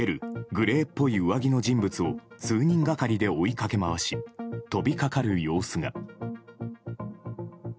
グレーっぽい上着の人物を数人がかりで追いかけ回し飛びかかる様子が。